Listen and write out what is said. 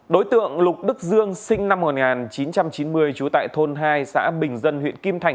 đối tượng lục đức dương sinh năm một nghìn chín trăm chín mươi trú tại thôn hai xã bình dân huyện kim thành